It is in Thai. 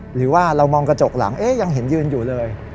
หรือว่าเรามองกระจกหลังยังเห็นยืนอยู่เลย